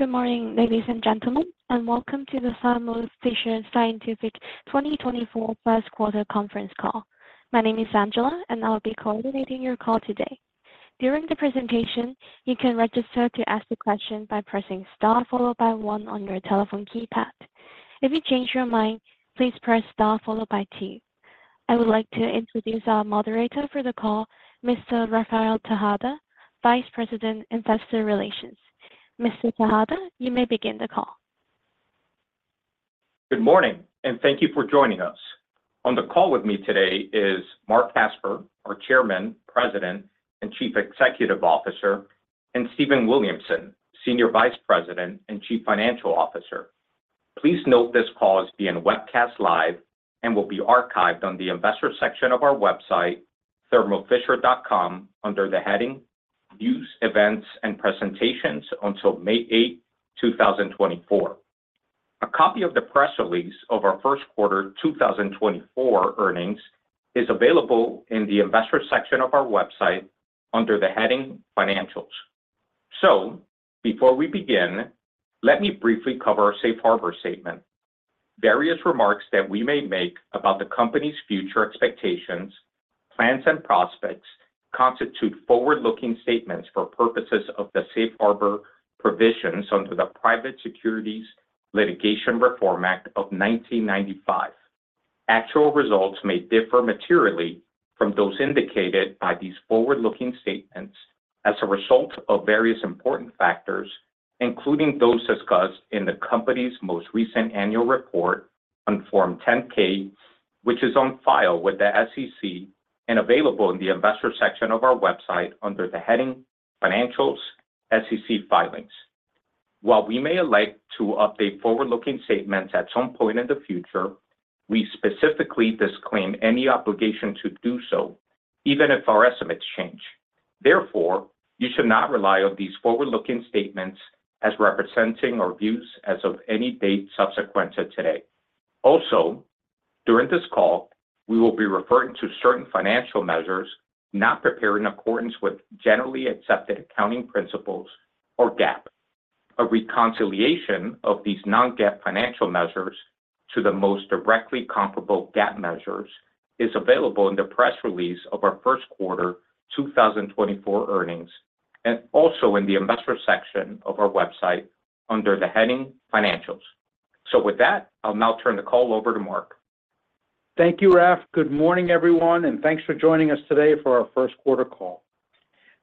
Good morning, ladies and gentlemen, and welcome to the Thermo Fisher Scientific 2024 First-Quarter Conference Call. My name is Angela, and I'll be coordinating your call today. During the presentation, you can register to ask a question by pressing star followed by one on your telephone keypad. If you change your mind, please press star followed by two. I would like to introduce our moderator for the call, Mr. Rafael Tejada, Vice President Investor Relations. Mr. Tejada, you may begin the call. Good morning, and thank you for joining us. On the call with me today is Marc Casper, our Chairman, President, and Chief Executive Officer, and Stephen Williamson, Senior Vice President and Chief Financial Officer. Please note this call is being webcast live and will be archived on the Investor section of our website, thermofisher.com, under the heading "News, Events, and Presentations" until May 8, 2024. A copy of the press release of our first-quarter 2024 earnings is available in the Investor section of our website under the heading "Financials." Before we begin, let me briefly cover our Safe Harbor statement. Various remarks that we may make about the company's future expectations, plans, and prospects constitute forward-looking statements for purposes of the Safe Harbor provisions under the Private Securities Litigation Reform Act of 1995. Actual results may differ materially from those indicated by these forward-looking statements as a result of various important factors, including those discussed in the company's most recent annual report on Form 10-K, which is on file with the SEC and available in the Investor section of our website under the heading "Financials: SEC Filings." While we may elect to update forward-looking statements at some point in the future, we specifically disclaim any obligation to do so, even if our estimates change. Therefore, you should not rely on these forward-looking statements as representing our views as of any date subsequent to today. Also, during this call, we will be referring to certain financial measures not prepared in accordance with generally accepted accounting principles or GAAP. A reconciliation of these non-GAAP financial measures to the most directly comparable GAAP measures is available in the press release of our first-quarter 2024 earnings and also in the Investor section of our website under the heading "Financials." So with that, I'll now turn the call over to Marc. Thank you, Raf. Good morning, everyone, and thanks for joining us today for our first-quarter call.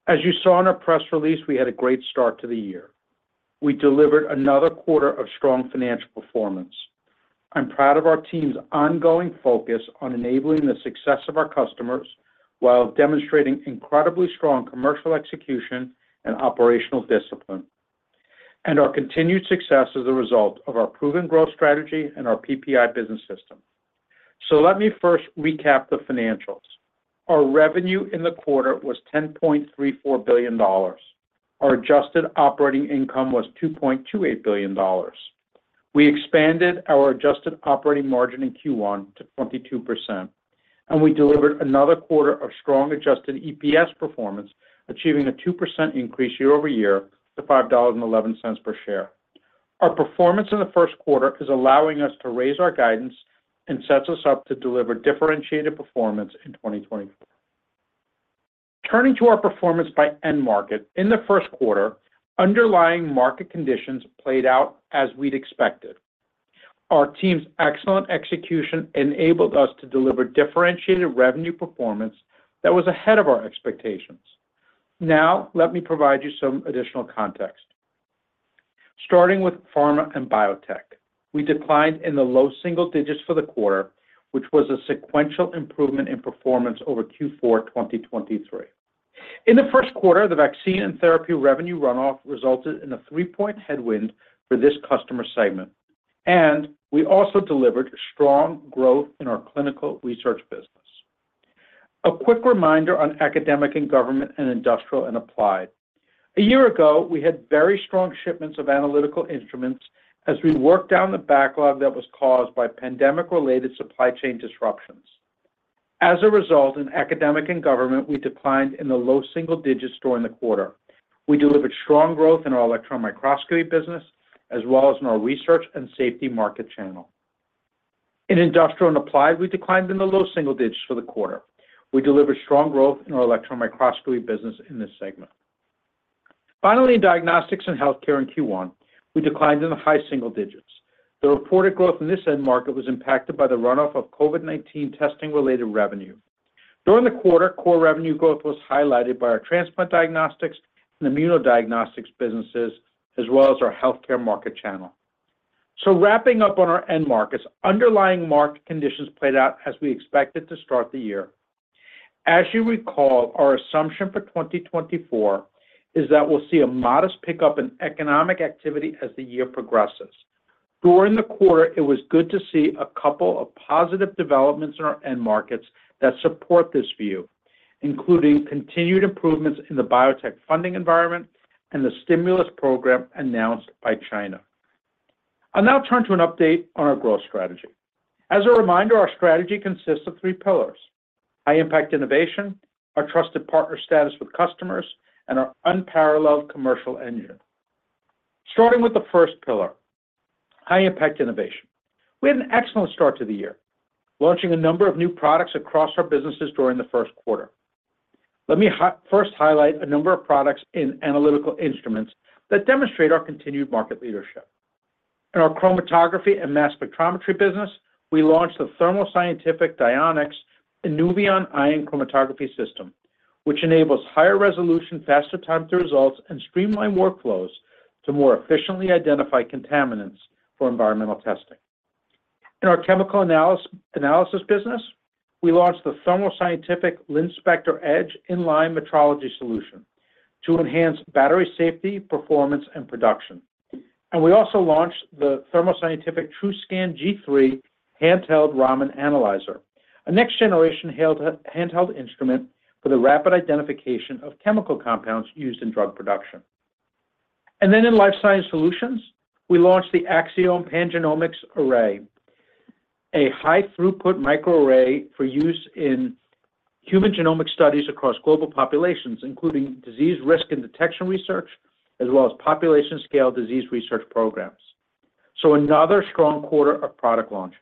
As you saw in our press release, we had a great start to the year. We delivered another quarter of strong financial performance. I'm proud of our team's ongoing focus on enabling the success of our customers while demonstrating incredibly strong commercial execution and operational discipline, and our continued success as a result of our proven growth strategy and our PPI Business System. Let me first recap the financials. Our revenue in the quarter was $10.34 billion. Our adjusted operating income was $2.28 billion. We expanded our adjusted operating margin in Q1 to 22%, and we delivered another quarter of strong adjusted EPS performance, achieving a 2% increase year-over-year to $5.11 per share. Our performance in the first quarter is allowing us to raise our guidance and sets us up to deliver differentiated performance in 2024. Turning to our performance by end market, in the first quarter, underlying market conditions played out as we'd expected. Our team's excellent execution enabled us to deliver differentiated revenue performance that was ahead of our expectations. Now, let me provide you some additional context. Starting with pharma and biotech, we declined in the low single digits for the quarter, which was a sequential improvement in performance over Q4 2023. In the first quarter, the vaccine and therapy revenue runoff resulted in a three-point headwind for this customer segment, and we also delivered strong growth in our clinical research business. A quick reminder on academic and government and industrial and applied. A year ago, we had very strong shipments of analytical instruments as we worked down the backlog that was caused by pandemic-related supply chain disruptions. As a result, in academic and government, we declined in the low single digits during the quarter. We delivered strong growth in our electron microscopy business as well as in our research and safety market channel. In industrial and applied, we declined in the low single digits for the quarter. We delivered strong growth in our electron microscopy business in this segment. Finally, in diagnostics and healthcare in Q1, we declined in the high single digits. The reported growth in this end market was impacted by the runoff of COVID-19 testing-related revenue. During the quarter, core revenue growth was highlighted by our transplant diagnostics and immunodiagnostics businesses as well as our healthcare market channel. Wrapping up on our end markets, underlying market conditions played out as we expected to start the year. As you recall, our assumption for 2024 is that we'll see a modest pickup in economic activity as the year progresses. During the quarter, it was good to see a couple of positive developments in our end markets that support this view, including continued improvements in the biotech funding environment and the stimulus program announced by China. I'll now turn to an update on our growth strategy. As a reminder, our strategy consists of three pillars: high impact innovation, our trusted partner status with customers, and our unparalleled commercial engine. Starting with the first pillar, high impact innovation. We had an excellent start to the year, launching a number of new products across our businesses during the first quarter. Let me first highlight a number of products in analytical instruments that demonstrate our continued market leadership. In our chromatography and mass spectrometry business, we launched the Thermo Scientific Dionex Inuvion Ion Chromatography System, which enables higher resolution, faster time to results, and streamlined workflows to more efficiently identify contaminants for environmental testing. In our chemical analysis business, we launched the Thermo Scientific Linspector Edge in-line metrology solution to enhance battery safety, performance, and production. We also launched the Thermo Scientific TruScan G3 handheld Raman analyzer, a next-generation handheld instrument for the rapid identification of chemical compounds used in drug production. Then in Life Sciences Solutions, we launched the Axiom Pangenomics Array, a high-throughput microarray for use in human genomic studies across global populations, including disease risk and detection research as well as population-scale disease research programs. Another strong quarter of product launches.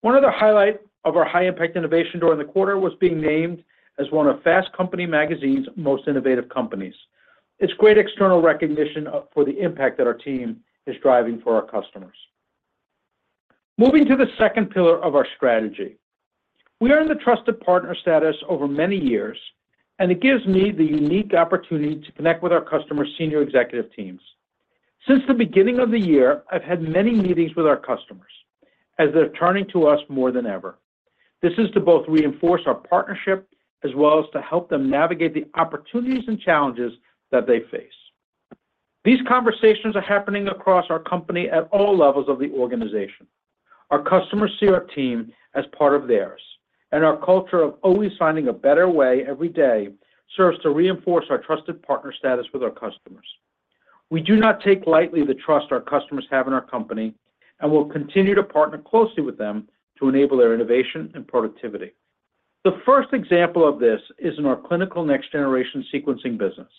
One other highlight of our high impact innovation during the quarter was being named as one of Fast Company Magazine's most innovative companies. It's great external recognition for the impact that our team is driving for our customers. Moving to the second pillar of our strategy. We earned the trusted partner status over many years, and it gives me the unique opportunity to connect with our customer's senior executive teams. Since the beginning of the year, I've had many meetings with our customers, as they're turning to us more than ever. This is to both reinforce our partnership as well as to help them navigate the opportunities and challenges that they face. These conversations are happening across our company at all levels of the organization. Our customers see our team as part of theirs, and our culture of always finding a better way every day serves to reinforce our trusted partner status with our customers. We do not take lightly the trust our customers have in our company and will continue to partner closely with them to enable their innovation and productivity. The first example of this is in our clinical next-generation sequencing business.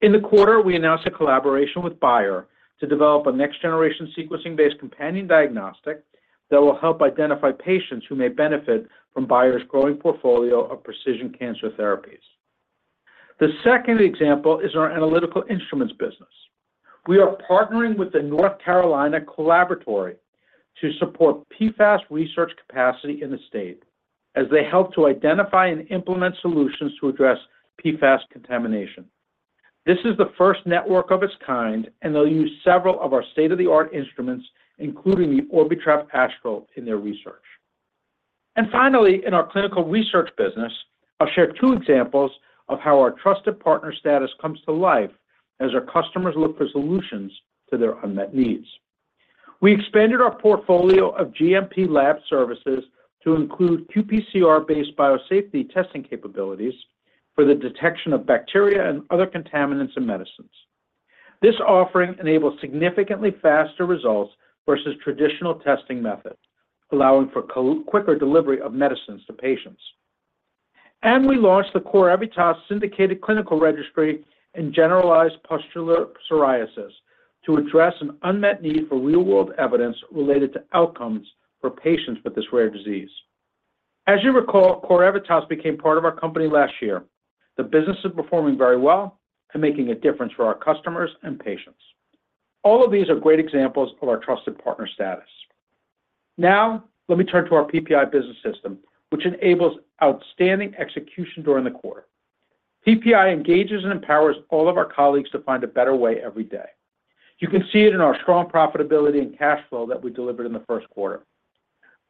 In the quarter, we announced a collaboration with Bayer to develop a next-generation sequencing-based companion diagnostic that will help identify patients who may benefit from Bayer's growing portfolio of precision cancer therapies. The second example is in our analytical instruments business. We are partnering with the North Carolina Collaboratory to support PFAS research capacity in the state as they help to identify and implement solutions to address PFAS contamination. This is the first network of its kind, and they'll use several of our state-of-the-art instruments, including the Orbitrap Astral, in their research. Finally, in our clinical research business, I'll share two examples of how our trusted partner status comes to life as our customers look for solutions to their unmet needs. We expanded our portfolio of GMP lab services to include qPCR-based biosafety testing capabilities for the detection of bacteria and other contaminants in medicines. This offering enables significantly faster results versus traditional testing methods, allowing for quicker delivery of medicines to patients. We launched the CorEvitas Syndicated Clinical Registry in Generalized Pustular Psoriasis to address an unmet need for real-world evidence related to outcomes for patients with this rare disease. As you recall, CorEvitas became part of our company last year. The business is performing very well and making a difference for our customers and patients. All of these are great examples of our trusted partner status. Now, let me turn to our PPI Business System, which enables outstanding execution during the quarter. PPI engages and empowers all of our colleagues to find a better way every day. You can see it in our strong profitability and cash flow that we delivered in the first quarter.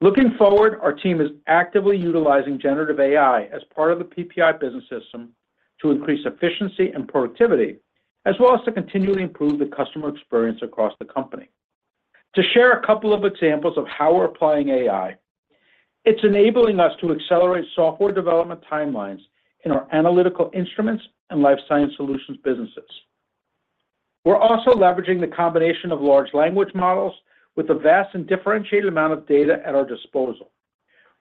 Looking forward, our team is actively utilizing generative AI as part of the PPI Business System to increase efficiency and productivity as well as to continually improve the customer experience across the company. To share a couple of examples of how we're applying AI, it's enabling us to accelerate software development timelines in our analytical instruments and Life Sciences Solutions businesses. We're also leveraging the combination of large language models with a vast and differentiated amount of data at our disposal.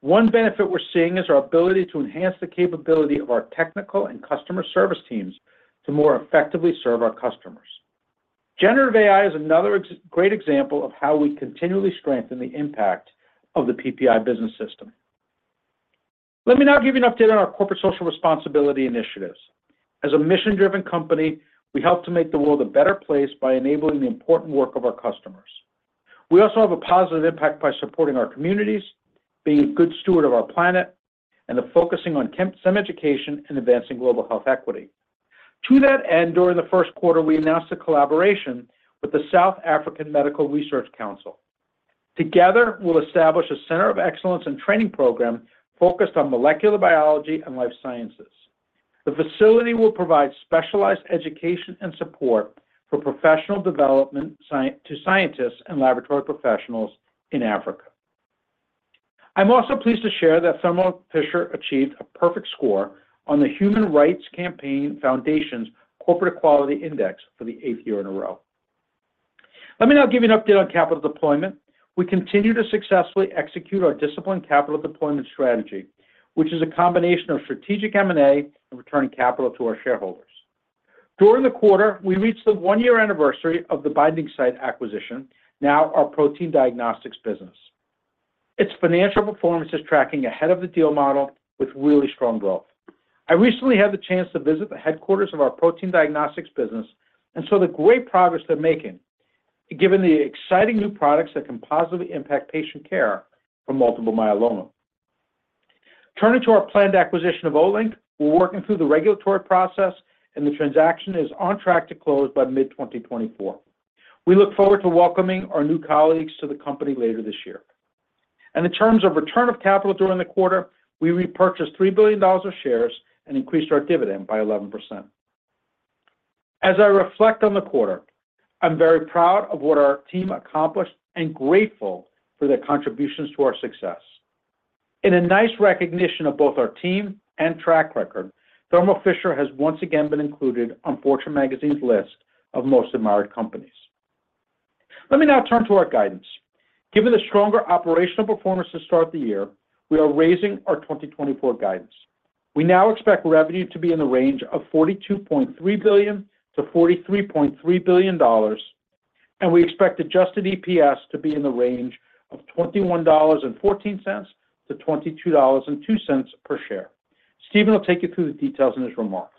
One benefit we're seeing is our ability to enhance the capability of our technical and customer service teams to more effectively serve our customers. Generative AI is another great example of how we continually strengthen the impact of the PPI Business System. Let me now give you an update on our corporate social responsibility initiatives. As a mission-driven company, we help to make the world a better place by enabling the important work of our customers. We also have a positive impact by supporting our communities, being a good steward of our planet, and focusing on STEM education and advancing global health equity. To that end, during the first quarter, we announced a collaboration with the South African Medical Research Council. Together, we'll establish a center of excellence and training program focused on molecular biology and life sciences. The facility will provide specialized education and support for professional development to scientists and laboratory professionals in Africa. I'm also pleased to share that Thermo Fisher achieved a perfect score on the Human Rights Campaign Foundation's Corporate Equality Index for the eighth year in a row. Let me now give you an update on capital deployment. We continue to successfully execute our disciplined capital deployment strategy, which is a combination of strategic M&A and returning capital to our shareholders. During the quarter, we reached the one-year anniversary of the Binding Site acquisition, now our protein diagnostics business. Its financial performance is tracking ahead of the deal model with really strong growth. I recently had the chance to visit the headquarters of our protein diagnostics business and saw the great progress they're making given the exciting new products that can positively impact patient care for multiple myeloma. Turning to our planned acquisition of Olink, we're working through the regulatory process, and the transaction is on track to close by mid-2024. We look forward to welcoming our new colleagues to the company later this year. In terms of return of capital during the quarter, we repurchased $3 billion of shares and increased our dividend by 11%. As I reflect on the quarter, I'm very proud of what our team accomplished and grateful for their contributions to our success. In a nice recognition of both our team and track record, Thermo Fisher has once again been included on Fortune magazine's list of most admired companies. Let me now turn to our guidance. Given the stronger operational performance to start the year, we are raising our 2024 guidance. We now expect revenue to be in the range of $42.3 billion-$43.3 billion, and we expect adjusted EPS to be in the range of $21.14-$22.02 per share. Stephen will take you through the details in his remarks.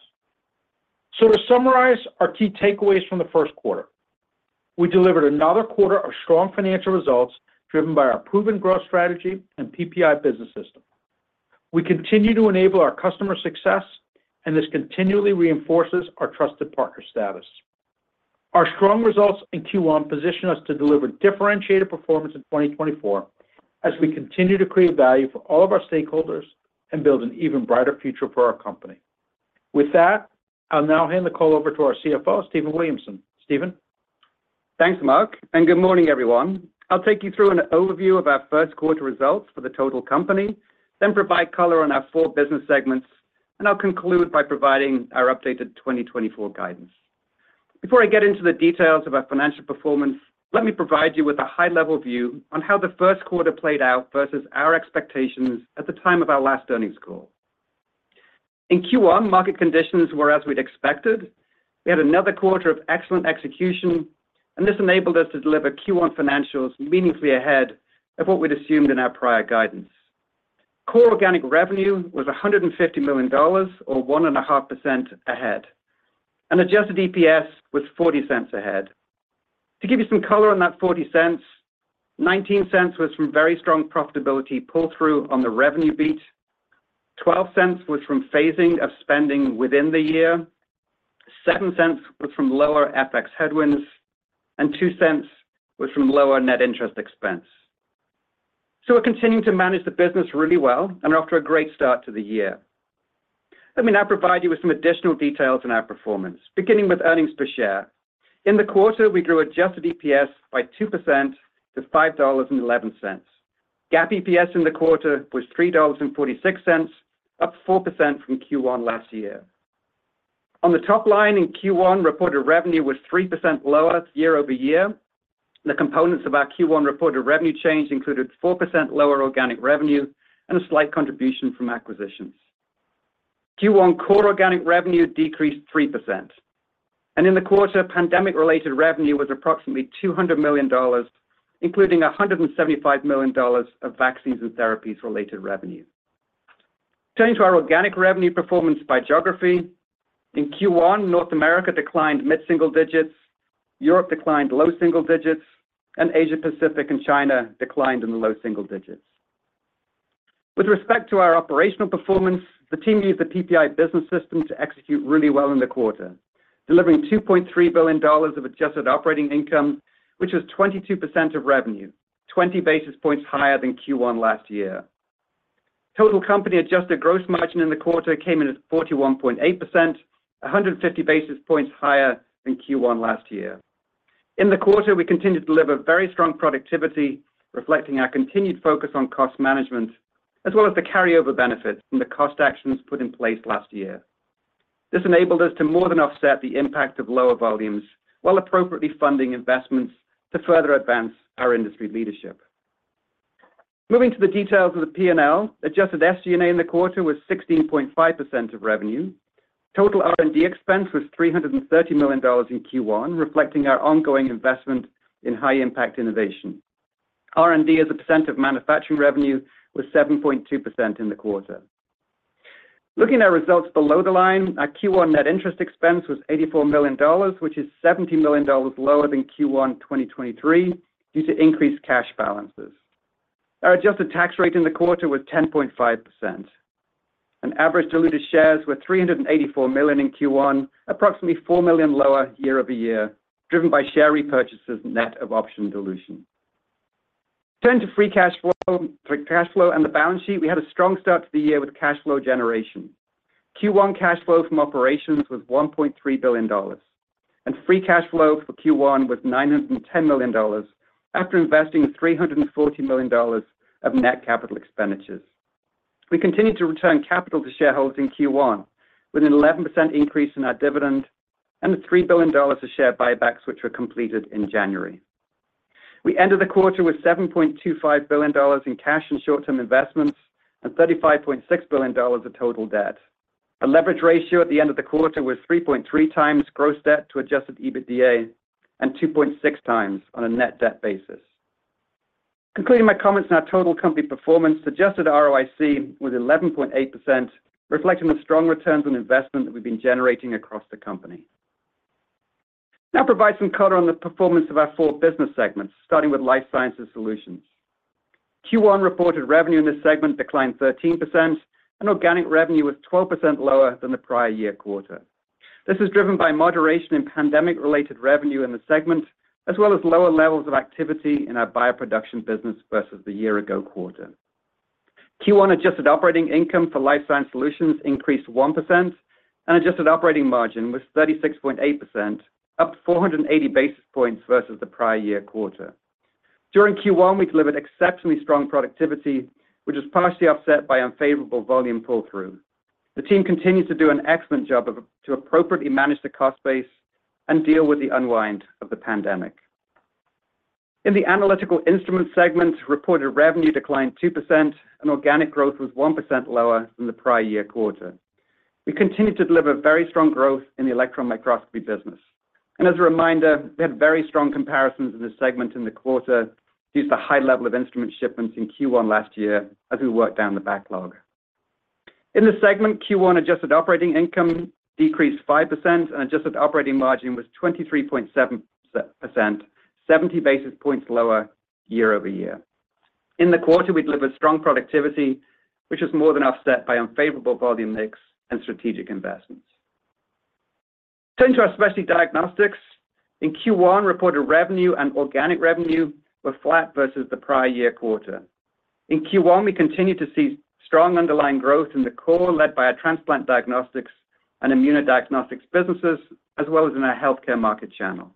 To summarize our key takeaways from the first quarter, we delivered another quarter of strong financial results driven by our proven growth strategy and PPI Business System. We continue to enable our customer success, and this continually reinforces our trusted partner status. Our strong results in Q1 position us to deliver differentiated performance in 2024 as we continue to create value for all of our stakeholders and build an even brighter future for our company. With that, I'll now hand the call over to our CFO, Stephen Williamson. Stephen? Thanks, Marc and good morning, everyone. I'll take you through an overview of our first quarter results for the total company, then provide color on our four business segments, and I'll conclude by providing our updated 2024 guidance. Before I get into the details of our financial performance, let me provide you with a high-level view on how the first quarter played out versus our expectations at the time of our last earnings call. In Q1, market conditions were as we'd expected. We had another quarter of excellent execution, and this enabled us to deliver Q1 financials meaningfully ahead of what we'd assumed in our prior guidance. Core organic revenue was $150 million or 1.5% ahead, and adjusted EPS was $0.40 ahead. To give you some color on that $0.40, $0.19 was from very strong profitability pull-through on the revenue beat, $0.12 was from phasing of spending within the year, $0.07 was from lower FX headwinds, and $0.02 was from lower net interest expense. So we're continuing to manage the business really well, and we're off to a great start to the year. Let me now provide you with some additional details on our performance, beginning with earnings per share. In the quarter, we grew adjusted EPS by 2% to $5.11. GAAP EPS in the quarter was $3.46, up 4% from Q1 last year. On the top line, in Q1, reported revenue was 3% lower year-over-year. The components of our Q1 reported revenue change included 4% lower organic revenue and a slight contribution from acquisitions. Q1 core organic revenue decreased 3%. In the quarter, pandemic-related revenue was approximately $200 million, including $175 million of vaccines and therapies-related revenue. Turning to our organic revenue performance by geography. In Q1, North America declined mid-single digits, Europe declined low-single digits, and Asia-Pacific and China declined in the low-single digits. With respect to our operational performance, the team used the PPI Business System to execute really well in the quarter, delivering $2.3 billion of adjusted operating income, which was 22% of revenue, 20 basis points higher than Q1 last year. Total company adjusted gross margin in the quarter came in at 41.8%, 150 basis points higher than Q1 last year. In the quarter, we continued to deliver very strong productivity, reflecting our continued focus on cost management as well as the carryover benefits from the cost actions put in place last year. This enabled us to more than offset the impact of lower volumes while appropriately funding investments to further advance our industry leadership. Moving to the details of the P&L, adjusted SG&A in the quarter was 16.5% of revenue. Total R&D expense was $330 million in Q1, reflecting our ongoing investment in high-impact innovation. R&D as a percent of manufacturing revenue was 7.2% in the quarter. Looking at results below the line, our Q1 net interest expense was $84 million, which is $70 million lower than Q1 2023 due to increased cash balances. Our adjusted tax rate in the quarter was 10.5%. Our average diluted shares were 384 million in Q1, approximately 4 million lower year-over-year, driven by share repurchases net of option dilution. Turning to free cash flow and the balance sheet, we had a strong start to the year with cash flow generation. Q1 cash flow from operations was $1.3 billion, and free cash flow for Q1 was $910 million after investing $340 million of net capital expenditures. We continued to return capital to shareholders in Q1 with an 11% increase in our dividend and the $3 billion of share buybacks which were completed in January. We ended the quarter with $7.25 billion in cash and short-term investments and $35.6 billion of total debt. A leverage ratio at the end of the quarter was 3.3 times gross debt to adjusted EBITDA and 2.6 times on a net debt basis. Concluding my comments on our total company performance, adjusted ROIC was 11.8%, reflecting the strong returns on investment that we've been generating across the company. Now, I'll provide some color on the performance of our four business segments, starting with life sciences solutions. Q1 reported revenue in this segment declined 13%, and organic revenue was 12% lower than the prior year quarter. This is driven by moderation in pandemic-related revenue in the segment as well as lower levels of activity in our bioproduction business versus the year-ago quarter. Q1 adjusted operating income forLife Sciences Solutions increased 1% and adjusted operating margin was 36.8%, up 480 basis points versus the prior year quarter. During Q1, we delivered exceptionally strong productivity, which was partially offset by unfavorable volume pull-through. The team continues to do an excellent job to appropriately manage the cost base and deal with the unwind of the pandemic. In the analytical instrument segment, reported revenue declined 2%, and organic growth was 1% lower than the prior year quarter. We continued to deliver very strong growth in the electron microscopy business. As a reminder, we had very strong comparisons in this segment in the quarter due to the high level of instrument shipments in Q1 last year as we worked down the backlog. In this segment, Q1 adjusted operating income decreased 5%, and adjusted operating margin was 23.7%, 70 basis points lower year-over-year. In the quarter, we delivered strong productivity, which was more than offset by unfavorable volume mix and strategic investments. Turning to our specialty diagnostics. In Q1, reported revenue and organic revenue were flat versus the prior year quarter. In Q1, we continue to see strong underlying growth in the core led by our transplant diagnostics and immunodiagnostics businesses as well as in our healthcare market channel.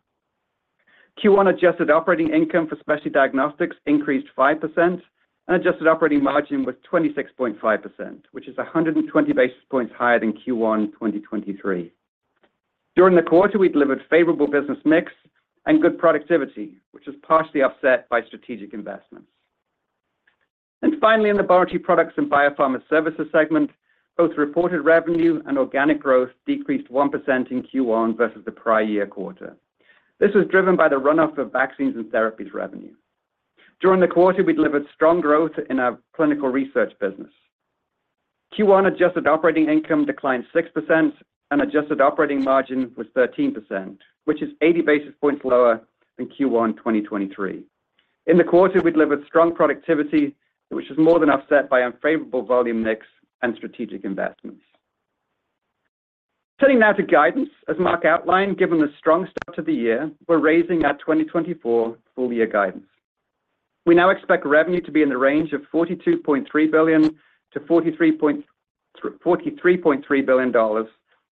Q1 adjusted operating income for specialty diagnostics increased 5%, and adjusted operating margin was 26.5%, which is 120 basis points higher than Q1 2023. During the quarter, we delivered favorable business mix and good productivity, which was partially offset by strategic investments. Finally, in the Laboratory Products and Biopharma Services segment, both reported revenue and organic growth decreased 1% in Q1 versus the prior year quarter. This was driven by the runoff of vaccines and therapies revenue. During the quarter, we delivered strong growth in our clinical research business. Q1 adjusted operating income declined 6%, and adjusted operating margin was 13%, which is 80 basis points lower than Q1 2023. In the quarter, we delivered strong productivity, which was more than offset by unfavorable volume mix and strategic investments. Turning now to guidance, as Marc outlined, given the strong start to the year, we're raising our 2024 full-year guidance. We now expect revenue to be in the range of $42.3 billion-$43.3 billion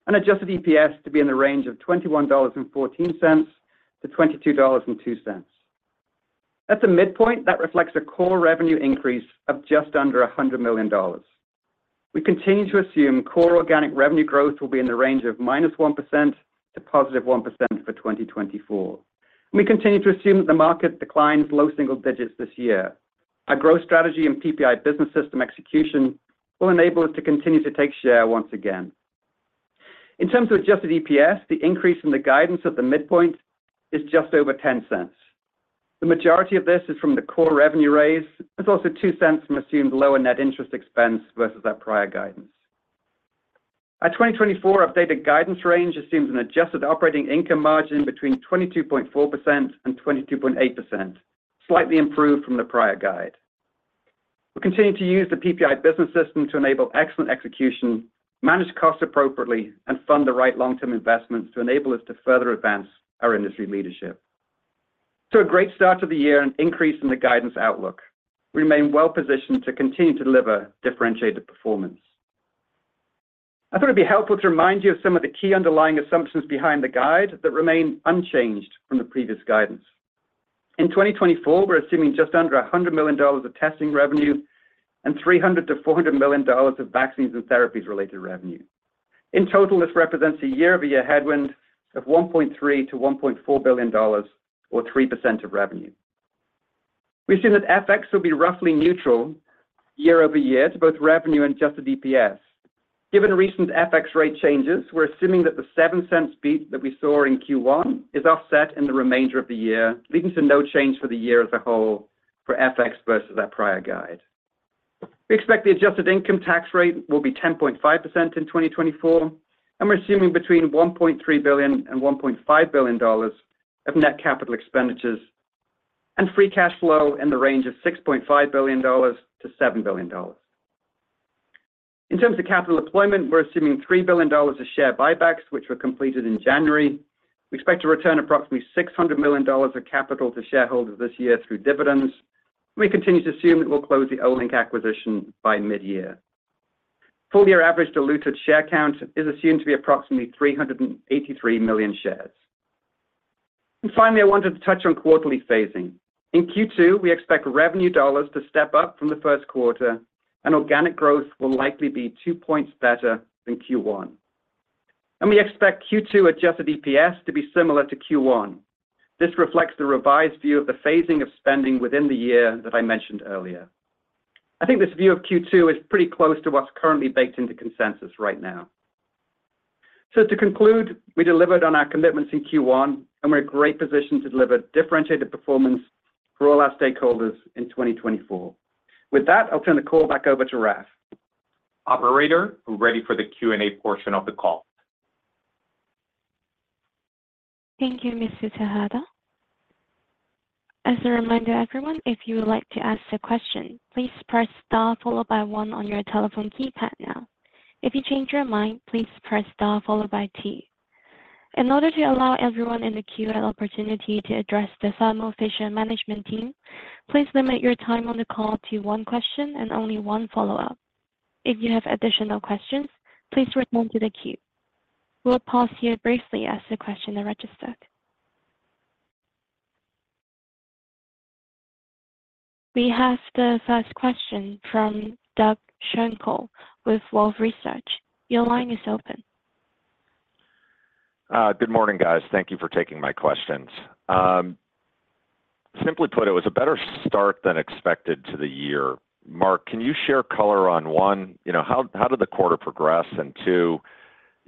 and adjusted EPS to be in the range of $21.14-$22.02. At the midpoint, that reflects a core revenue increase of just under $100 million. We continue to assume core organic revenue growth will be in the range of -1% to +1% for 2024. We continue to assume that the market declines low-single digits this year. Our growth strategy and PPI Business System execution will enable us to continue to take share once again. In terms of adjusted EPS, the increase in the guidance at the midpoint is just over $0.10. The majority of this is from the core revenue raise. There's also $0.02 from assumed lower net interest expense versus our prior guidance. Our 2024 updated guidance range assumes an adjusted operating income margin between 22.4% and 22.8%, slightly improved from the prior guide. We continue to use the PPI Business System to enable excellent execution, manage costs appropriately, and fund the right long-term investments to enable us to further advance our industry leadership. So a great start to the year and increase in the guidance outlook. We remain well-positioned to continue to deliver differentiated performance. I thought it'd be helpful to remind you of some of the key underlying assumptions behind the guide that remain unchanged from the previous guidance. In 2024, we're assuming just under $100 million of testing revenue and $300-$400 million of vaccines and therapies-related revenue. In total, this represents a year-over-year headwind of $1.3-$1.4 billion or 3% of revenue. We assume that FX will be roughly neutral year-over-year to both revenue and adjusted EPS. Given recent FX rate changes, we're assuming that the $0.07 beat that we saw in Q1 is offset in the remainder of the year, leading to no change for the year as a whole for FX versus our prior guide. We expect the adjusted income tax rate will be 10.5% in 2024, and we're assuming between $1.3 billion-$1.5 billion of net capital expenditures and free cash flow in the range of $6.5 billion-$7 billion. In terms of capital deployment, we're assuming $3 billion of share buybacks, which were completed in January. We expect to return approximately $600 million of capital to shareholders this year through dividends. We continue to assume that we'll close the Olink acquisition by mid-year. Full-year average diluted share count is assumed to be approximately 383 million shares. And finally, I wanted to touch on quarterly phasing. In Q2, we expect revenue dollars to step up from the first quarter, and organic growth will likely be two points better than Q1. And we expect Q2 adjusted EPS to be similar to Q1. This reflects the revised view of the phasing of spending within the year that I mentioned earlier. I think this view of Q2 is pretty close to what's currently baked into consensus right now. So to conclude, we delivered on our commitments in Q1, and we're in a great position to deliver differentiated performance for all our stakeholders in 2024. With that, I'll turn the call back over to Raf. Operator, who's ready for the Q&A portion of the call. Thank you, Mr. Tejada. As a reminder, everyone, if you would like to ask a question, please press star followed by one on your telephone keypad now. If you change your mind, please press star followed by two. In order to allow everyone in the queue an opportunity to address the Thermo Fisher Management team, please limit your time on the call to one question and only one follow-up. If you have additional questions, please return to the queue. We'll pause here briefly as the questioner registers. We have the first question from Doug Schenkel with Wolfe Research. Your line is open. Good morning, guys. Thank you for taking my questions. Simply put, it was a better start than expected to the year. Marc can you share color on one? How did the quarter progress? And two,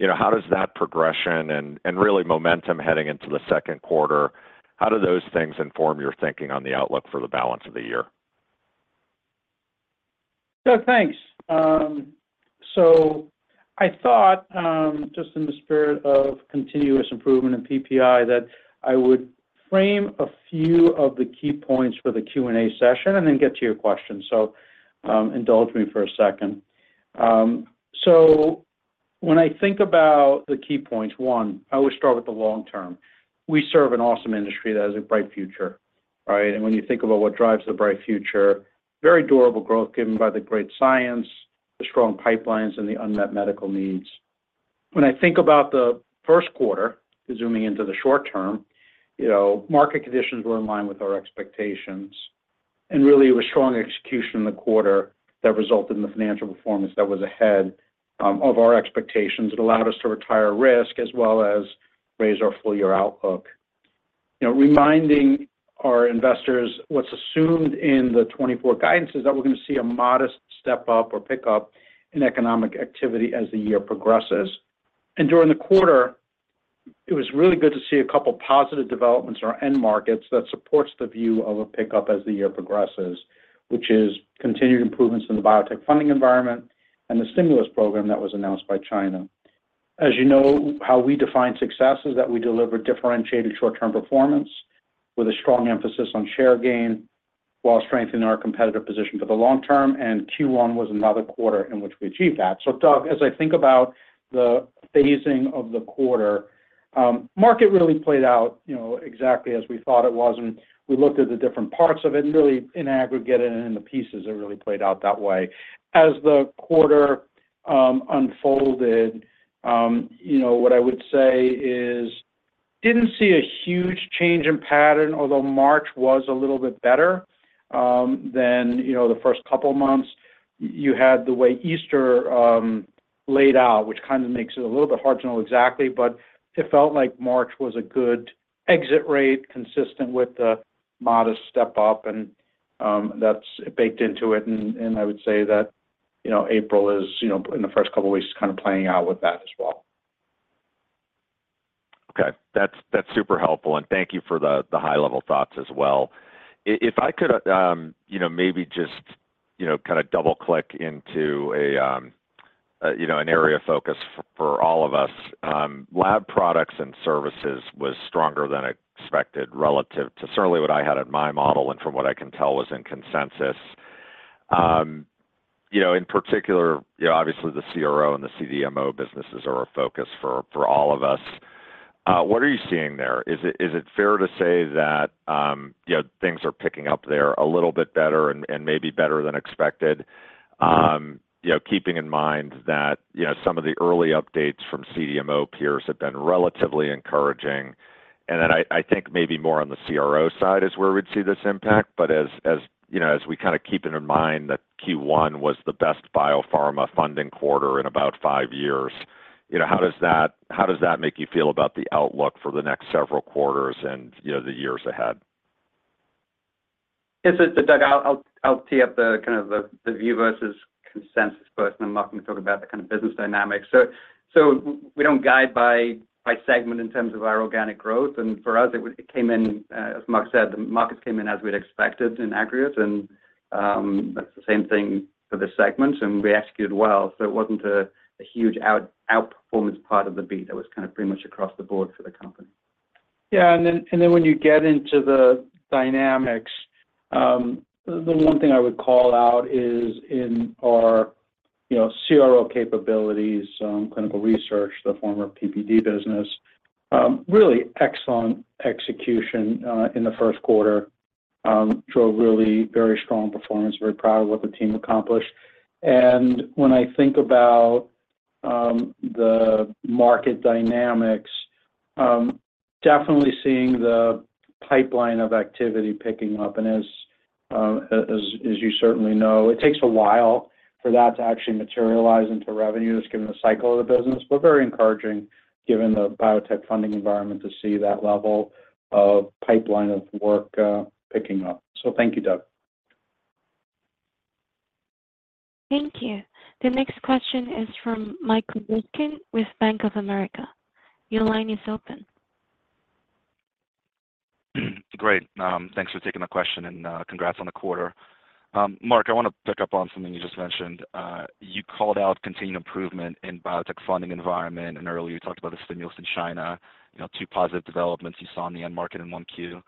how does that progression and really momentum heading into the second quarter, how do those things inform your thinking on the outlook for the balance of the year? Yeah, thanks. So I thought, just in the spirit of continuous improvement in PPI, that I would frame a few of the key points for the Q&A session and then get to your questions. So indulge me for a second. So when I think about the key points, one, I always start with the long term. We serve an awesome industry that has a bright future, right? And when you think about what drives the bright future, very durable growth given by the great science, the strong pipelines, and the unmet medical needs. When I think about the first quarter, zooming into the short term, market conditions were in line with our expectations. And really, it was strong execution in the quarter that resulted in the financial performance that was ahead of our expectations. It allowed us to retire risk as well as raise our full-year outlook. Reminding our investors what's assumed in the 2024 guidance is that we're going to see a modest step up or pickup in economic activity as the year progresses. During the quarter, it was really good to see a couple of positive developments in our end markets that supports the view of a pickup as the year progresses, which is continued improvements in the biotech funding environment and the stimulus program that was announced by China. As you know, how we define success is that we deliver differentiated short-term performance with a strong emphasis on share gain while strengthening our competitive position for the long term. Q1 was another quarter in which we achieved that. So Doug, as I think about the phasing of the quarter, market really played out exactly as we thought it was. And we looked at the different parts of it and really in aggregate and in the pieces, it really played out that way. As the quarter unfolded, what I would say is didn't see a huge change in pattern, although March was a little bit better than the first couple of months. You had the way Easter laid out, which kind of makes it a little bit hard to know exactly. But it felt like March was a good exit rate consistent with the modest step up. And that's baked into it. And I would say that April is, in the first couple of weeks, kind of playing out with that as well. Okay. That's super helpful. Thank you for the high-level thoughts as well. If I could maybe just kind of double-click into an area of focus for all of us, lab products and services was stronger than expected relative to certainly what I had in my model and from what I can tell was in consensus. In particular, obviously, the CRO and the CDMO businesses are a focus for all of us. What are you seeing there? Is it fair to say that things are picking up there a little bit better and maybe better than expected, keeping in mind that some of the early updates from CDMO peers have been relatively encouraging? Then I think maybe more on the CRO side is where we'd see this impact. But as we kind of keeping in mind that Q1 was the best biopharma funding quarter in about five years, how does that make you feel about the outlook for the next several quarters and the years ahead? Yeah, so Doug, I'll tee up kind of the view versus consensus first. And then Marc can talk about the kind of business dynamics. So we don't guide by segment in terms of our organic growth. And for us, it came in, as Marc said, the markets came in as we'd expected in aggregate. And that's the same thing for this segment. And we executed well. So it wasn't a huge outperformance part of the beat. It was kind of pretty much across the board for the company. Yeah. And then when you get into the dynamics, the one thing I would call out is in our CRO capabilities, clinical research, the former PPD business, really excellent execution in the first quarter. Showed really very strong performance. Very proud of what the team accomplished. And when I think about the market dynamics, definitely seeing the pipeline of activity picking up. And as you certainly know, it takes a while for that to actually materialize into revenues given the cycle of the business, but very encouraging given the biotech funding environment to see that level of pipeline of work picking up. So thank you, Doug. Thank you. The next question is from Mike Ryskin with Bank of America. Your line is open. Great. Thanks for taking the question. And congrats on the quarter. Marc I want to pick up on something you just mentioned. You called out continued improvement in biotech funding environment. And earlier, you talked about the stimulus in China, two positive developments you saw in the end market in Q1.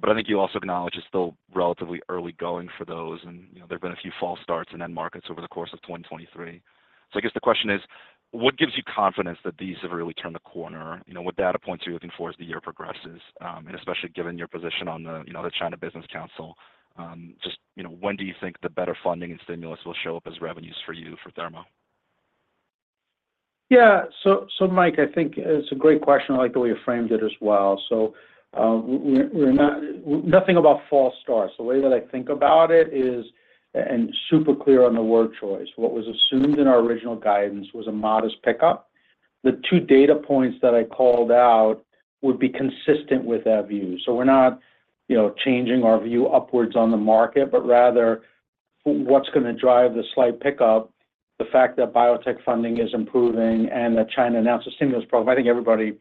But I think you also acknowledge it's still relatively early going for those. And there have been a few false starts in end markets over the course of 2023. So I guess the question is, what gives you confidence that these have really turned the corner? What data points are you looking for as the year progresses? And especially given your position on the China Business Council, just when do you think the better funding and stimulus will show up as revenues for you for thermo? Yeah. So Mike, I think it's a great question. I like the way you framed it as well. So nothing about false starts. The way that I think about it is and super clear on the word choice. What was assumed in our original guidance was a modest pickup. The two data points that I called out would be consistent with that view. So we're not changing our view upwards on the market, but rather what's going to drive the slight pickup, the fact that biotech funding is improving and that China announced a stimulus program. I think everybody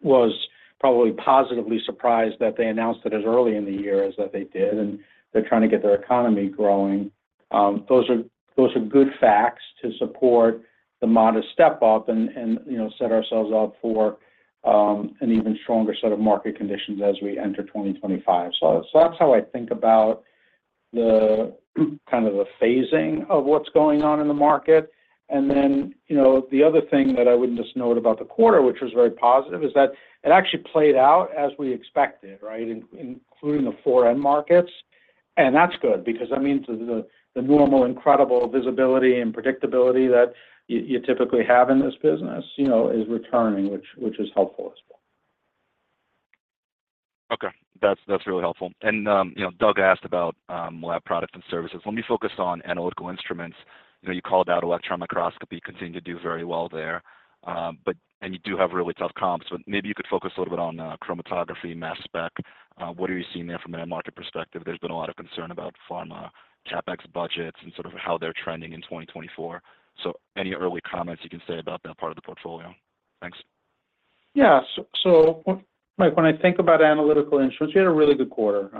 was probably positively surprised that they announced it as early in the year as that they did. And they're trying to get their economy growing. Those are good facts to support the modest step up and set ourselves up for an even stronger set of market conditions as we enter 2025. So that's how I think about kind of the phasing of what's going on in the market. And then the other thing that I wouldn't just note about the quarter, which was very positive, is that it actually played out as we expected, right, including the four end markets. And that's good because, I mean, the normal incredible visibility and predictability that you typically have in this business is returning, which is helpful as well. Okay. That's really helpful. And Doug asked about lab products and services. Let me focus on analytical instruments. You called out electron microscopy, continued to do very well there. And you do have really tough comps. But maybe you could focus a little bit on chromatography, mass spec. What are you seeing there from an end market perspective? There's been a lot of concern about pharma CapEx budgets and sort of how they're trending in 2024. So any early comments you can say about that part of the portfolio? Thanks. Yeah. So Mike, when I think about analytical instruments, we had a really good quarter.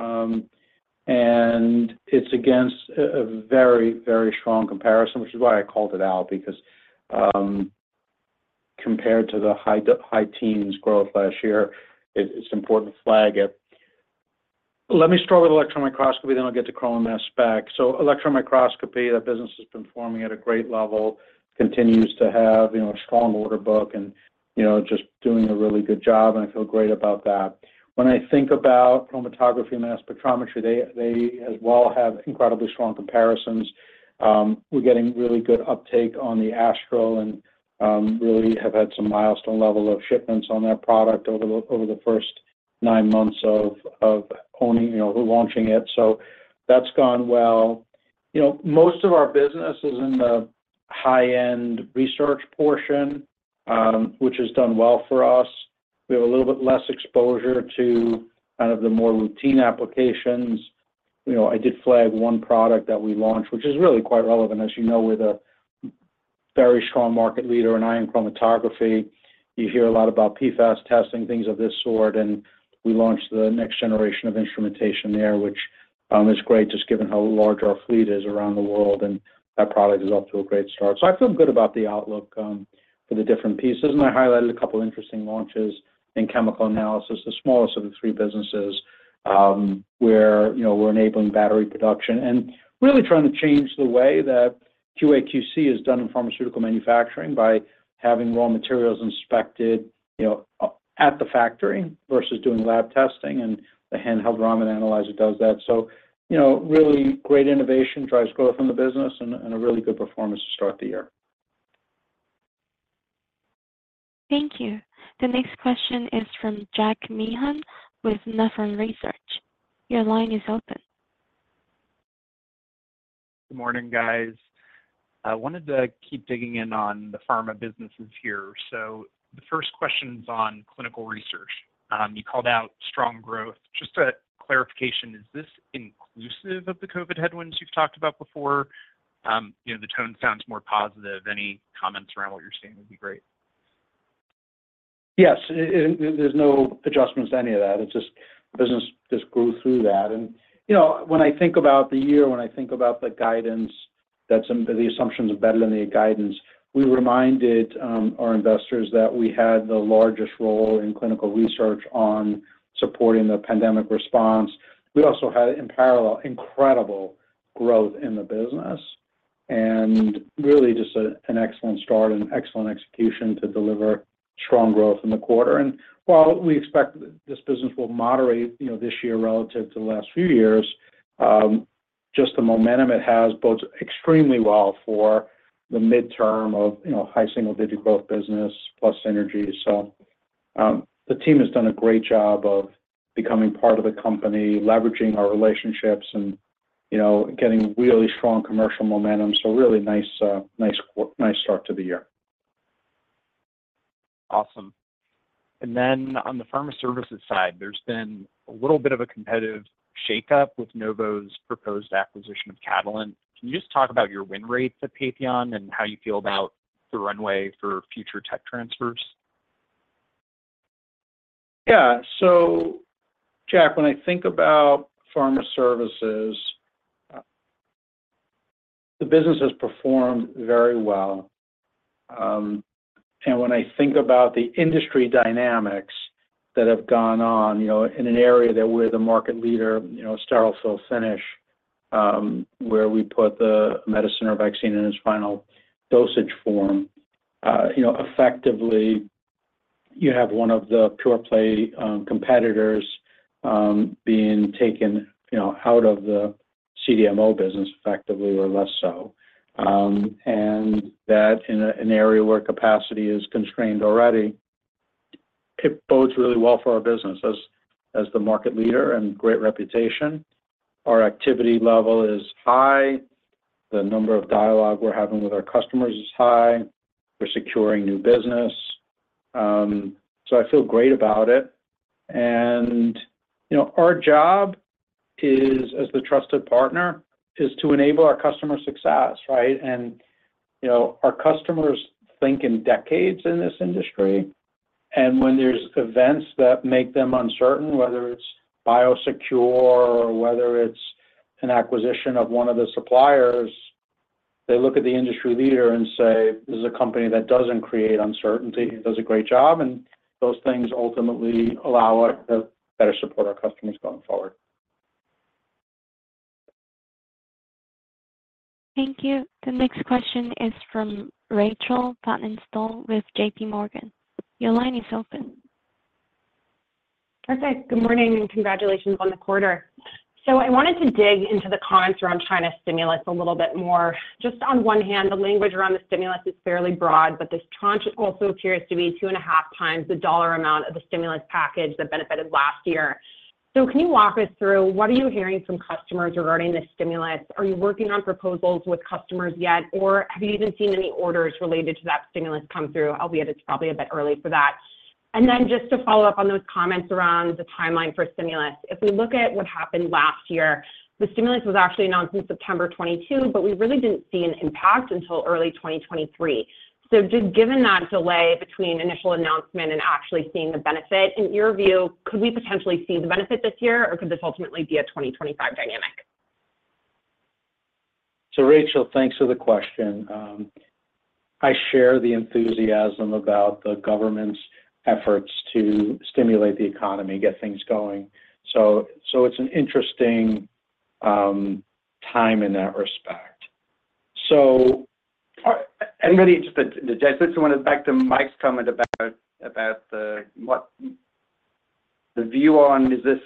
And it's against a very, very strong comparison, which is why I called it out because compared to the high teens growth last year, it's important to flag it. Let me start with electron microscopy. Then I'll get to chrom mass spec. So electron microscopy, that business has been performing at a great level, continues to have a strong order book and just doing a really good job. And I feel great about that. When I think about chromatography and mass spectrometry, they as well have incredibly strong comparisons. We're getting really good uptake on the Astral and really have had some milestone level of shipments on that product over the first nine months of launching it. So that's gone well. Most of our business is in the high-end research portion, which has done well for us. We have a little bit less exposure to kind of the more routine applications. I did flag one product that we launched, which is really quite relevant. As you know, we're the very strong market leader in ion chromatography. You hear a lot about PFAS testing, things of this sort. And we launched the next generation of instrumentation there, which is great just given how large our fleet is around the world. And that product is off to a great start. So I feel good about the outlook for the different pieces. I highlighted a couple of interesting launches in chemical analysis, the smallest of the three businesses where we're enabling battery production and really trying to change the way that QAQC is done in pharmaceutical manufacturing by having raw materials inspected at the factory versus doing lab testing. The handheld Raman analyzer does that. Really great innovation, drives growth in the business, and a really good performance to start the year. Thank you. The next question is from Jack Meehan with Nephron Research. Your line is open. Good morning, guys. I wanted to keep digging in on the pharma businesses here. The first question is on clinical research. You called out strong growth. Just a clarification, is this inclusive of the COVID headwinds you've talked about before? The tone sounds more positive. Any comments around what you're seeing would be great. Yes. There's no adjustments to any of that. It's just business just grew through that. And when I think about the year, when I think about the guidance, the assumptions are better than the guidance. We reminded our investors that we had the largest role in clinical research on supporting the pandemic response. We also had, in parallel, incredible growth in the business and really just an excellent start and excellent execution to deliver strong growth in the quarter. And while we expect this business will moderate this year relative to the last few years, just the momentum it has bodes extremely well for the midterm of high single-digit growth business plus synergy. So the team has done a great job of becoming part of the company, leveraging our relationships, and getting really strong commercial momentum. So really nice start to the year. Awesome. And then on the pharma services side, there's been a little bit of a competitive shakeup with Novo's proposed acquisition of Catalent. Can you just talk about your win rate at Patheon and how you feel about the runway for future tech transfers? Yeah. So Jack, when I think about pharma services, the business has performed very well. And when I think about the industry dynamics that have gone on in an area that we're the market leader, Sterile Fill Finish, where we put the medicine or vaccine in its final dosage form, effectively, you have one of the pure-play competitors being taken out of the CDMO business effectively or less so. And that in an area where capacity is constrained already, it bodes really well for our business as the market leader and great reputation. Our activity level is high. The number of dialogue we're having with our customers is high. We're securing new business. So I feel great about it. And our job as the trusted partner is to enable our customer success, right? And our customers think in decades in this industry. And when there's events that make them uncertain, whether it's Biosecure or whether it's an acquisition of one of the suppliers, they look at the industry leader and say, "This is a company that doesn't create uncertainty. It does a great job." And those things ultimately allow us to better support our customers going forward. Thank you. The next question is from Rachel Vatnsdal with JPMorgan. Your line is open. Perfect. Good morning and congratulations on the quarter. So I wanted to dig into the comments around China stimulus a little bit more. Just on one hand, the language around the stimulus is fairly broad, but this tranche also appears to be 2.5 times the dollar amount of the stimulus package that benefited last year. So can you walk us through what are you hearing from customers regarding this stimulus? Are you working on proposals with customers yet, or have you even seen any orders related to that stimulus come through? Albeit, it's probably a bit early for that. And then just to follow up on those comments around the timeline for stimulus, if we look at what happened last year, the stimulus was actually announced in September 2022, but we really didn't see an impact until early 2023. Just given that delay between initial announcement and actually seeing the benefit, in your view, could we potentially see the benefit this year, or could this ultimately be a 2025 dynamic? So, Rachel, thanks for the question. I share the enthusiasm about the government's efforts to stimulate the economy, get things going. It's an interesting time in that respect. Anybody just to want to back to Mike's comment about the view on, is this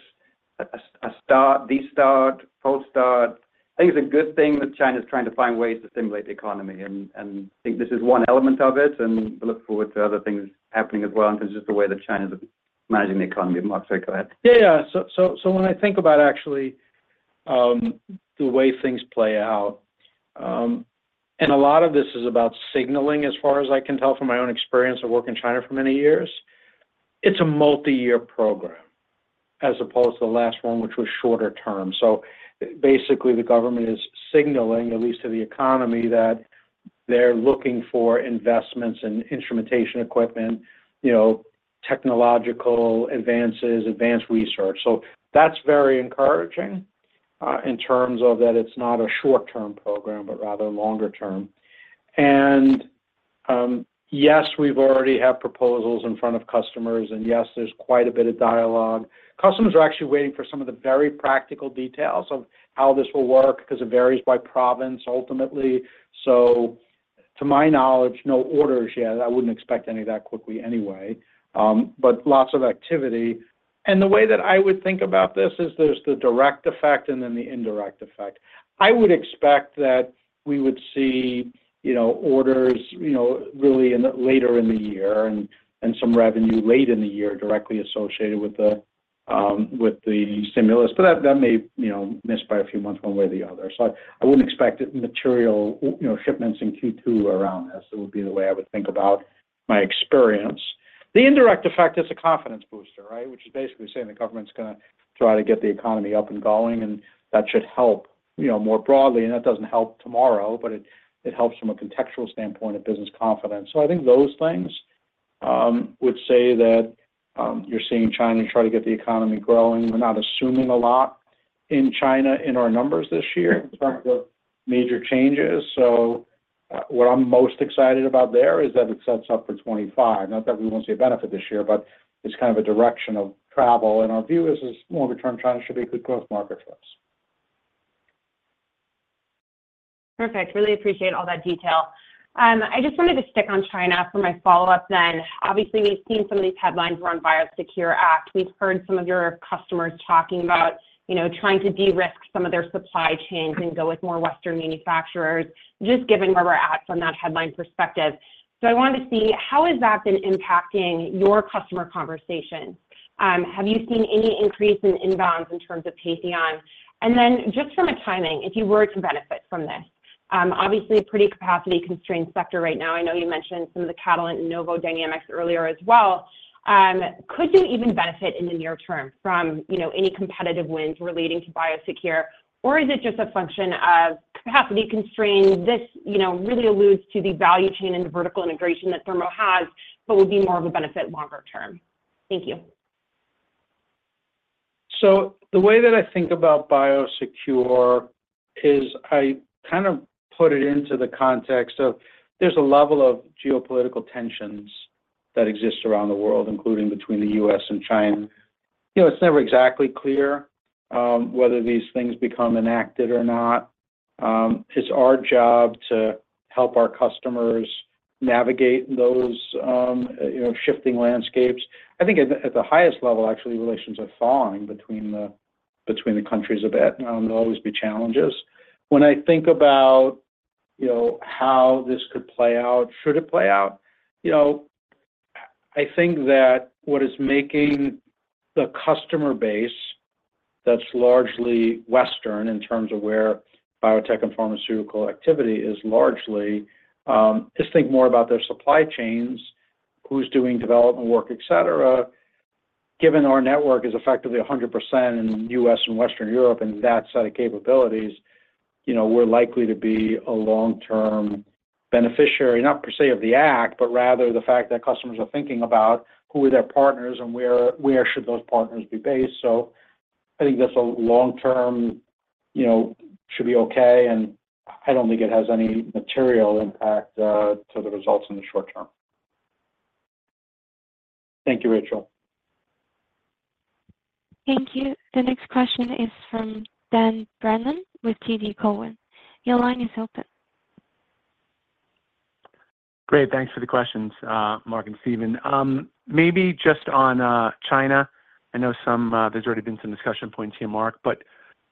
a start, restart, full start? I think it's a good thing that China's trying to find ways to stimulate the economy. I think this is one element of it. We look forward to other things happening as well in terms of just the way that China's managing the economy. Marc, sorry, go ahead. Yeah, yeah. So when I think about actually the way things play out, and a lot of this is about signaling, as far as I can tell from my own experience of working in China for many years, it's a multi-year program as opposed to the last one, which was shorter term. So basically, the government is signaling, at least to the economy, that they're looking for investments in instrumentation equipment, technological advances, advanced research. So that's very encouraging in terms of that it's not a short-term program, but rather longer term. And yes, we've already had proposals in front of customers. And yes, there's quite a bit of dialogue. Customers are actually waiting for some of the very practical details of how this will work because it varies by province ultimately. So to my knowledge, no orders yet. I wouldn't expect any of that quickly anyway. But lots of activity. The way that I would think about this is there's the direct effect and then the indirect effect. I would expect that we would see orders really later in the year and some revenue late in the year directly associated with the stimulus. But that may miss by a few months one way or the other. So I wouldn't expect it material shipments in Q2 around this. That would be the way I would think about my experience. The indirect effect, it's a confidence booster, right, which is basically saying the government's going to try to get the economy up and going. And that should help more broadly. And that doesn't help tomorrow, but it helps from a contextual standpoint of business confidence. So I think those things would say that you're seeing China try to get the economy growing. We're not assuming a lot in China in our numbers this year in terms of major changes. So what I'm most excited about there is that it sets up for 2025. Not that we won't see a benefit this year, but it's kind of a direction of travel. And our view is longer-term, China should be a good growth market for us. Perfect. Really appreciate all that detail. I just wanted to stick on China for my follow-up then. Obviously, we've seen some of these headlines around Biosecure Act. We've heard some of your customers talking about trying to de-risk some of their supply chains and go with more Western manufacturers, just given where we're at from that headline perspective. So I wanted to see, how has that been impacting your customer conversation? Have you seen any increase in inbounds in terms of Patheon? And then just from a timing, if you were to benefit from this, obviously, pretty capacity-constrained sector right now. I know you mentioned some of the Catalent and Novo dynamics earlier as well. Could you even benefit in the near term from any competitive wins relating to Biosecure, or is it just a function of capacity constraint? This really alludes to the value chain and the vertical integration that Thermo has, but would be more of a benefit longer term. Thank you. So the way that I think about Biosecure is I kind of put it into the context of there's a level of geopolitical tensions that exist around the world, including between the U.S. and China. It's never exactly clear whether these things become enacted or not. It's our job to help our customers navigate those shifting landscapes. I think at the highest level, actually, relations are falling between the countries a bit. There'll always be challenges. When I think about how this could play out, should it play out, I think that what is making the customer base that's largely Western in terms of where biotech and pharmaceutical activity is largely is think more about their supply chains, who's doing development work, etc. Given our network is effectively 100% in the U.S. and Western Europe and that set of capabilities, we're likely to be a long-term beneficiary, not per se of the act, but rather the fact that customers are thinking about who are their partners and where should those partners be based. So I think that's a long-term should be okay. And I don't think it has any material impact to the results in the short term. Thank you, Rachel. Thank you. The next question is from Dan Brennan with TD Cowen. Your line is open. Great. Thanks for the questions, Marc and Stephen. Maybe just on China, I know there's already been some discussion points here, Marc but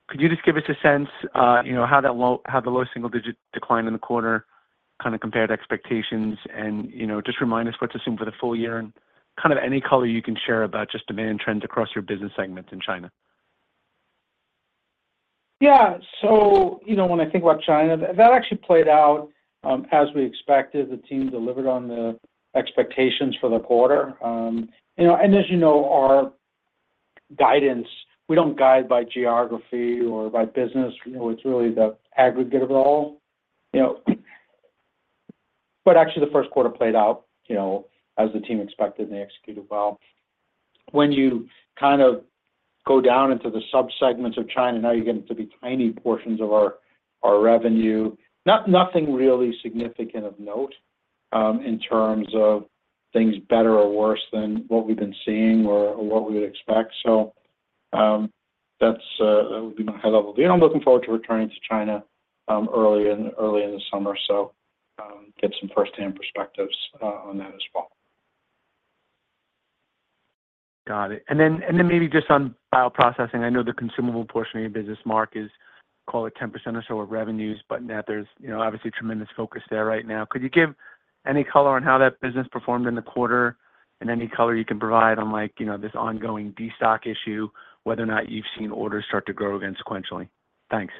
could you just give us a sense how the low single-digit decline in the quarter kind of compared expectations and just remind us what to assume for the full year and kind of any color you can share about just demand trends across your business segments in China? Yeah. So when I think about China, that actually played out as we expected. The team delivered on the expectations for the quarter. And as you know, our guidance, we don't guide by geography or by business. It's really the aggregate of it all. But actually, the first quarter played out as the team expected, and they executed well. When you kind of go down into the subsegments of China, now you get into the tiny portions of our revenue, nothing really significant of note in terms of things better or worse than what we've been seeing or what we would expect. So that would be my high-level view. And I'm looking forward to returning to China early in the summer so get some firsthand perspectives on that as well. Got it. And then maybe just on bioprocessing, I know the consumable portion of your business, Marc is call it 10% or so of revenues, but now there's obviously tremendous focus there right now. Could you give any color on how that business performed in the quarter and any color you can provide on this ongoing restock issue, whether or not you've seen orders start to grow again sequentially? Thanks.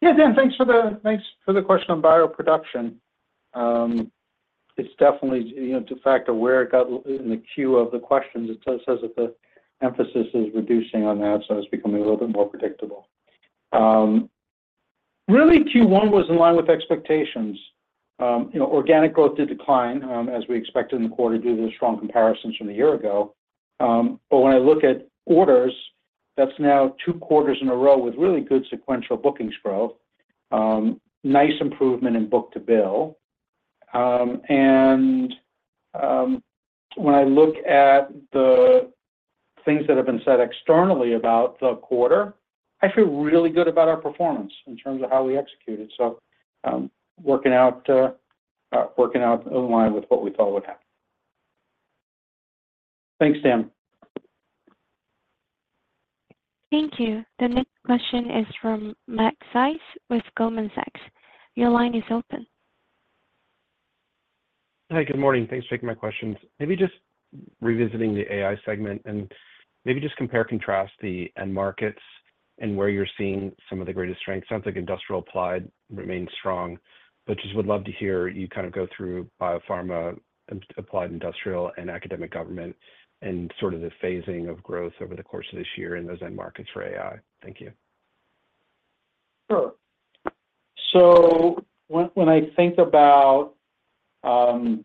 Yeah, Dan, thanks for the question on bioproduction. It's definitely de facto where it got in the queue of the questions. It says that the emphasis is reducing on that, so it's becoming a little bit more predictable. Really, Q1 was in line with expectations. Organic growth did decline as we expected in the quarter due to the strong comparisons from the year ago. But when I look at orders, that's now two quarters in a row with really good sequential bookings growth, nice improvement in book-to-bill. And when I look at the things that have been said externally about the quarter, I feel really good about our performance in terms of how we executed. So working out in line with what we thought would happen. Thanks, Dan. Thank you. The next question is from Matt Sykes with Goldman Sachs. Your line is open. Hi, good morning. Thanks for taking my questions. Maybe just revisiting the AI segment and maybe just compare-contrast the end markets and where you're seeing some of the greatest strengths. Sounds like industrial applied remains strong, but just would love to hear you kind of go through biopharma applied industrial and academic government and sort of the phasing of growth over the course of this year in those end markets for AI. Thank you. Sure. So when I think about the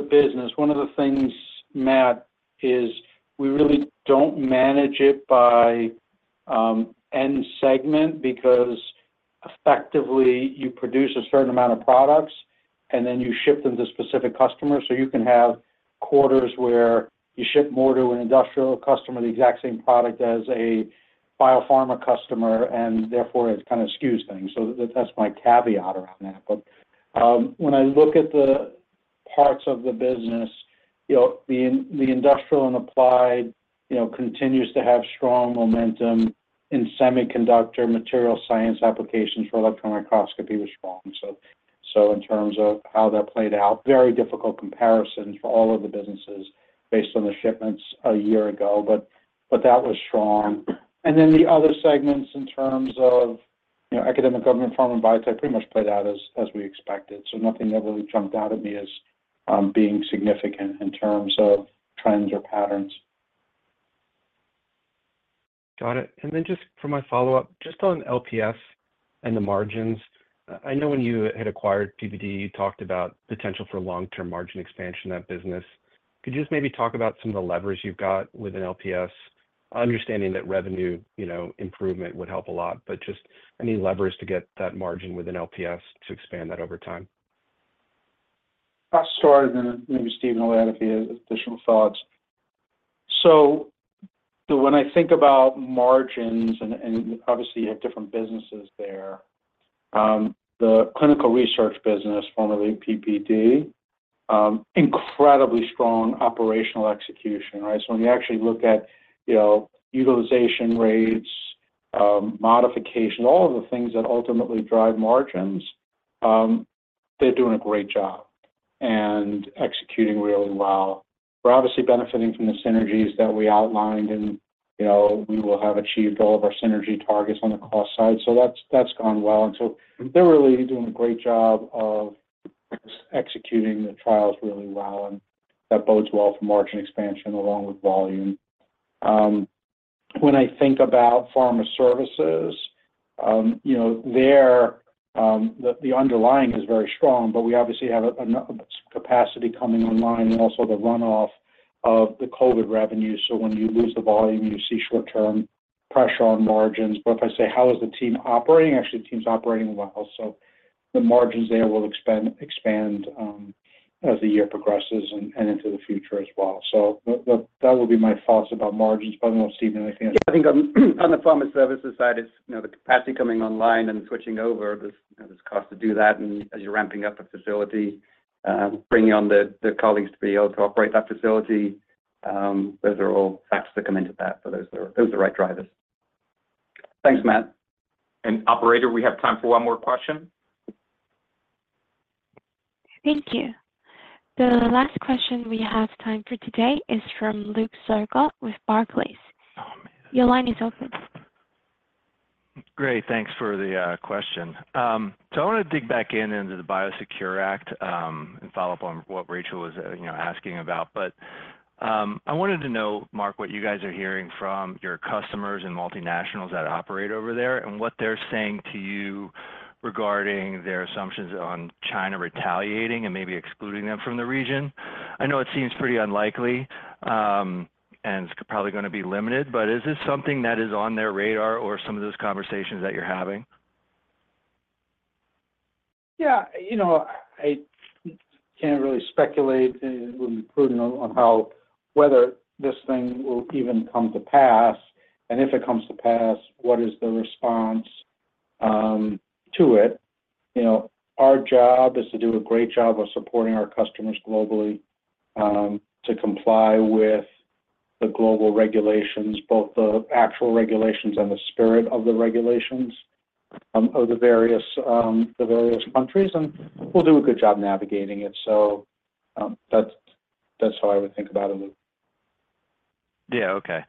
business, one of the things, Matt, is we really don't manage it by end segment because effectively, you produce a certain amount of products, and then you ship them to specific customers. So you can have quarters where you ship more to an industrial customer the exact same product as a biopharma customer, and therefore, it kind of skews things. So that's my caveat around that. But when I look at the parts of the business, the industrial and applied continues to have strong momentum. In semiconductor material science applications for electron microscopy was strong. So in terms of how that played out, very difficult comparisons for all of the businesses based on the shipments a year ago, but that was strong. And then the other segments in terms of academic, government, pharma, and biotech pretty much played out as we expected. Nothing that really jumped out at me as being significant in terms of trends or patterns. Got it. And then just for my follow-up, just on LPS and the margins, I know when you had acquired PPD, you talked about potential for long-term margin expansion in that business. Could you just maybe talk about some of the levers you've got with an LPS, understanding that revenue improvement would help a lot, but just any levers to get that margin with an LPS to expand that over time? I'll start, and then maybe Stephen will add if he has additional thoughts. So when I think about margins, and obviously, you have different businesses there, the clinical research business, formerly PPD, incredibly strong operational execution, right? So when you actually look at utilization rates, modifications, all of the things that ultimately drive margins, they're doing a great job and executing really well. We're obviously benefiting from the synergies that we outlined, and we will have achieved all of our synergy targets on the cost side. So that's gone well. And so they're really doing a great job of executing the trials really well, and that bodes well for margin expansion along with volume. When I think about pharma services, the underlying is very strong, but we obviously have some capacity coming online and also the runoff of the COVID revenue. So when you lose the volume, you see short-term pressure on margins. But if I say, "How is the team operating?" Actually, the team's operating well. So the margins there will expand as the year progresses and into the future as well. So that would be my thoughts about margins. But I don't know, Stephen, anything else? Yeah. I think on the pharma services side, it's the capacity coming online and switching over. There's cost to do that. As you're ramping up a facility, bringing on the colleagues to be able to operate that facility, those are all factors that come into that. Those are the right drivers. Thanks, Matt. Operator, we have time for one more question. Thank you. The last question we have time for today is from Luke Sergott with Barclays. Your line is open. Great. Thanks for the question. So I want to dig back into the Biosecure Act and follow up on what Rachel was asking about. But I wanted to know, Marc, what you guys are hearing from your customers and multinationals that operate over there and what they're saying to you regarding their assumptions on China retaliating and maybe excluding them from the region. I know it seems pretty unlikely and it's probably going to be limited, but is this something that is on their radar or some of those conversations that you're having? Yeah. I can't really speculate. It would be prudent on whether this thing will even come to pass. And if it comes to pass, what is the response to it? Our job is to do a great job of supporting our customers globally to comply with the global regulations, both the actual regulations and the spirit of the regulations of the various countries. And we'll do a good job navigating it. So that's how I would think about it, Luke. Yeah. Okay.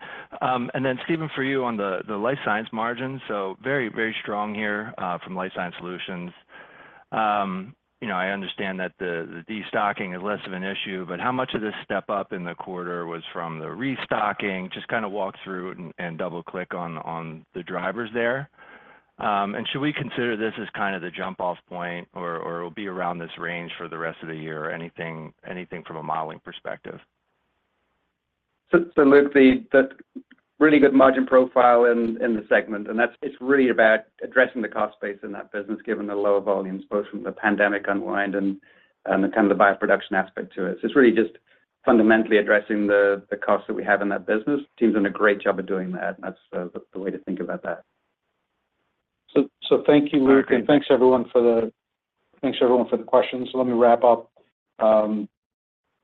And then, Stephen, for you on the life science margins, so very, very strong here from Life Sciences Solutions. I understand that the destocking is less of an issue, but how much of this step-up in the quarter was from the restocking? Just kind of walk through and double-click on the drivers there. And should we consider this as kind of the jump-off point, or it'll be around this range for the rest of the year or anything from a modeling perspective? So, Luke, the really good margin profile in the segment, and it's really about addressing the cost base in that business given the low volumes, both from the pandemic unwind and kind of the bioproduction aspect to it. So it's really just fundamentally addressing the costs that we have in that business. The team's done a great job of doing that. That's the way to think about that. So thank you, Luke, and thanks, everyone, for the questions. So let me wrap up.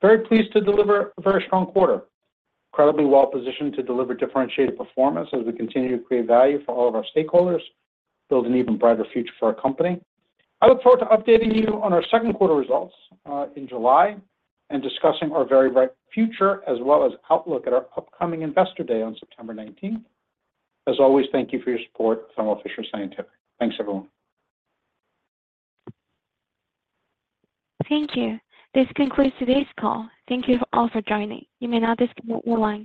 Very pleased to deliver a very strong quarter, incredibly well-positioned to deliver differentiated performance as we continue to create value for all of our stakeholders, build an even brighter future for our company. I look forward to updating you on our second quarter results in July and discussing our very bright future as well as outlook at our upcoming investor day on September 19th. As always, thank you for your support, Thermo Fisher Scientific. Thanks, everyone. Thank you. This concludes today's call. Thank you all for joining. You may now disconnect while line.